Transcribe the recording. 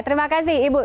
terima kasih ibu